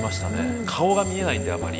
顔が見えないんであまり。